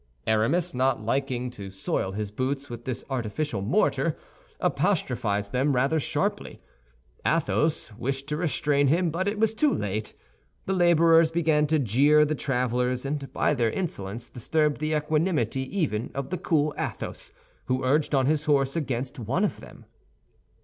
Aramis, not liking to soil his boots with this artificial mortar, apostrophized them rather sharply. Athos wished to restrain him, but it was too late. The laborers began to jeer the travelers and by their insolence disturbed the equanimity even of the cool Athos, who urged on his horse against one of them.